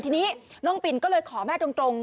ทีนี้น้องปินก็เลยขอแม่ตรง